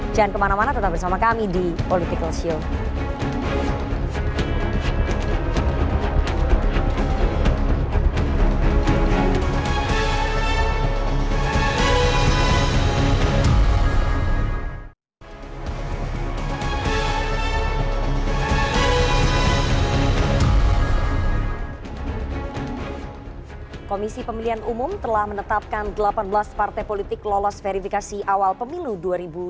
jangan kemana mana tetap bersama kami di political shield